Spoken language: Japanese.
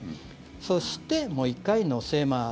そしてもう１回乗せます。